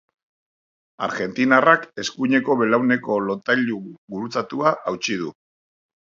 Argentinarrak eskuineko belauneko lotailu gurutzatua hautsi du.